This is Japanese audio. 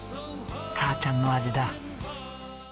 母ちゃんの味だ。